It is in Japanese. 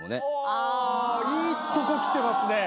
あいいとこきてますね。